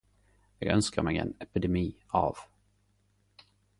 Eg ønskjer meg ein epidemi av